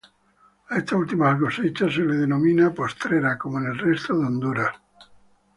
A esta última cosecha se le denomina postrera como en el resto de Honduras.